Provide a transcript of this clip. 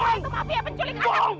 kamu itu mafia penculik anak